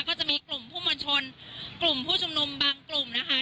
ก็จะมีกลุ่มผู้มวลชนกลุ่มผู้ชุมนุมบางกลุ่มนะคะ